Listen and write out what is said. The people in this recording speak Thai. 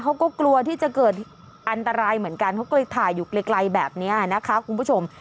เขาก็กลัวที่จะเกิดอันตรายเหมือนกันเขาก็เลยถ่ายอยู่ไกลแบบนี้นะคะคุณผู้ชม